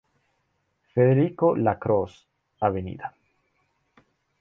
Federico Lacroze, Av.